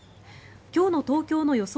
今日の東京の予想